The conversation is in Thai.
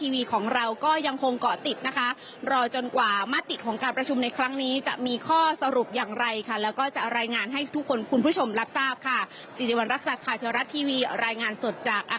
วันนี้ข้อมูลมีข้อสรุปอย่างไรค่ะที่จะได้รายงานให้ทุกคนรับทราบค่ะ